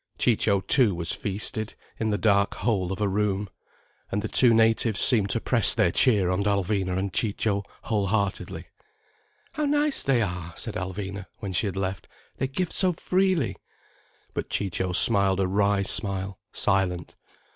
Ciccio too was feasted, in the dark hole of a room. And the two natives seemed to press their cheer on Alvina and Ciccio whole heartedly. "How nice they are!" said Alvina when she had left. "They give so freely." But Ciccio smiled a wry smile, silent.